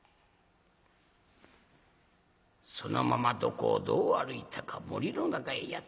そのままどこをどう歩いたか森の中へやって来ます。